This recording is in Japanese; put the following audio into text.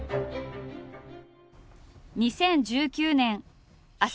２０１９年朝